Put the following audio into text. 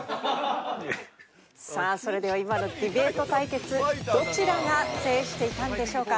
さあそれでは今のディベート対決どちらが制していたのでしょうか。